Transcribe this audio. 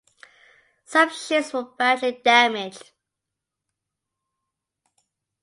Some ships were badly damaged.